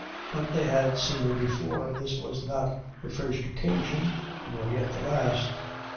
But they had seen her before. This was not the first occasion, nor yet the last.